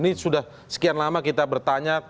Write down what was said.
ini sudah sekian lama kita bertanya